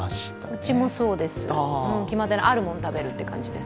うちもそうです、決まっていないあるものを食べるって感じです。